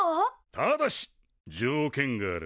ただし条件がある。